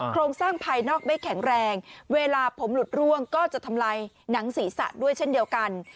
โครงสร้างภายนอกไม่แข็งแรงเวลาผมหลุดร่วงก็จะทำลายหนังศีรษะด้วยเช่นเดียวกัน